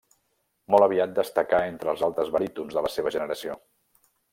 Molt aviat destacà entre els altres barítons de la seva generació.